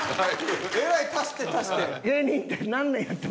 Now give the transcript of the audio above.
えらい足して足して。